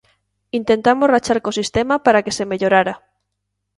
Intentamos rachar co sistema para que se mellorara.